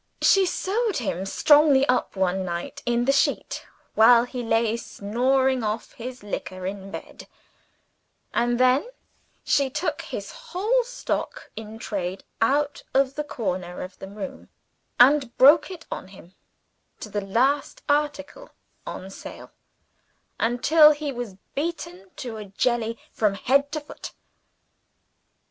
She sewed him strongly up one night in the sheet, while he lay snoring off his liquor in bed; and then she took his whole stock in trade out of the corner of the room, and broke it on him, to the last article on sale, until he was beaten to a jelly from head to foot.